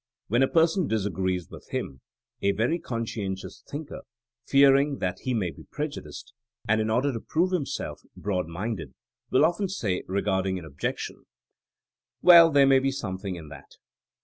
When a person disagrees with him, a very conscientious thinker, fearing that he may be prejudiced, and in order to prove him self broad minded, wUl often say regarding an objection, Well, there may be something in that.